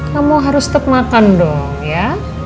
kamu harus tetap makan dong ya